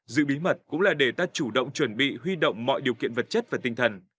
giữ bí mật cũng là để ta chủ động chuẩn bị huy động mọi điều kiện vật chất và tinh thần